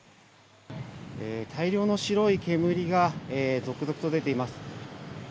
大量の白い煙が続々と出ています。